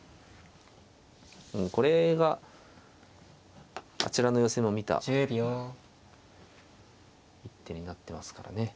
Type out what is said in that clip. これがあちらの寄せも見た一手になってますからね。